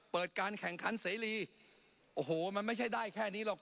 เปิดการแข่งขันเสรีโอ้โหมันไม่ใช่ได้แค่นี้หรอก